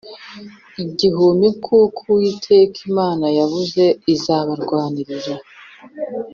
igihumbi kuko Uwiteka Imana yanyu izabarwanira